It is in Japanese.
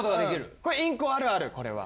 インコあるあるこれは。